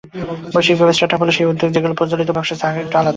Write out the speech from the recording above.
বৈশ্বিকভাবে startup হলো সেই উদ্যোগ, যেগুলো প্রচলিত ব্যবসার চেয়ে কিছুটা আলাদা।